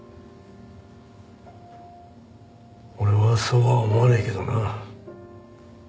俺はそうは思わねえけどな。